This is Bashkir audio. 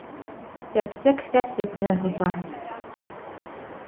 Сәпсек сәпсек менән оса.